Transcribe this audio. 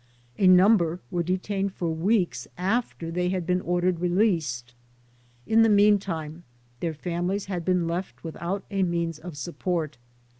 A number were detained for weeks after they had been ordered released. In the meantime their families had been left without a means of support.